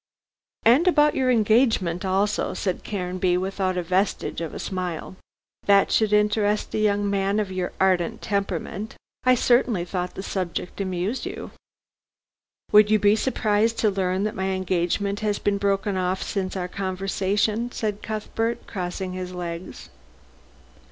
"And about your engagement also," said Caranby without a vestige of a smile. "That should interest a young man of your ardent temperament. I certainly thought the subject amused you." "Would you be surprised to learn that my engagement has been broken off since our conversation," said Cuthbert, crossing his legs.